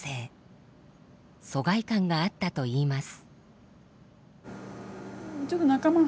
疎外感があったといいます。